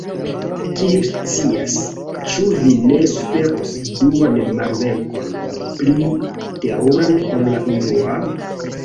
Kiu scias, ĉu vi ne suferos duan malvenkon, pli teruran ol la unua?